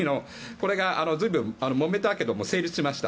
これが随分もめたけれども成立しました。